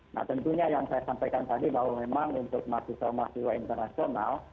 nah tentunya yang saya sampaikan tadi bahwa memang untuk mahasiswa mahasiswa internasional